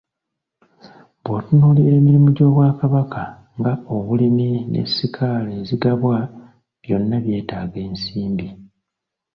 Bw'otunuulira emirimu gy'Obwakabaka nga; obulimi ne ssikaala ezigabwa, byonna byetaaga ensimbi.